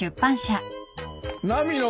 波野